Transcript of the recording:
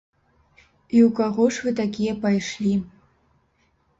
І ў каго ж вы такія пайшлі?